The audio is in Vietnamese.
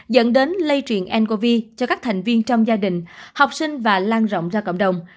dẫn đến lây truyền ncov cho các thành viên trong gia đình học sinh và lan rộng ra cộng đồng